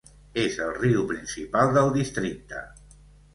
És el riu principal del districte.